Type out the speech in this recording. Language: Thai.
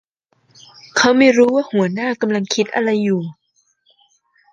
เขาไม่รู้ว่าหัวหน้ากำลังคิดอะไรอยู่